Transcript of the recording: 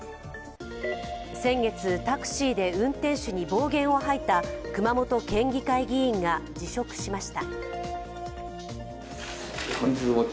先月、タクシーで運転手に暴言を吐いた熊本県議会議員が辞職しました。